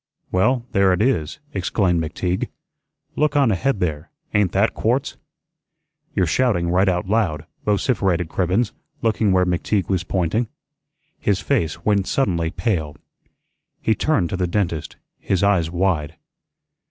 "Well, there it is," exclaimed McTeague. "Look on ahead there; ain't that quartz?" "You're shouting right out loud," vociferated Cribbens, looking where McTeague was pointing. His face went suddenly pale. He turned to the dentist, his eyes wide.